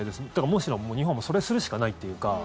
むしろ、もう日本もそれをするしかないっていうか。